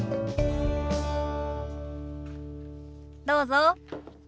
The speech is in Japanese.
どうぞ。